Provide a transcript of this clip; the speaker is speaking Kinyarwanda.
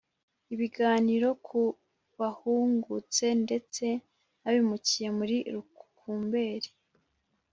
Ibiganiro ku bahungutse ndetse n abimukiye muri Rukumberi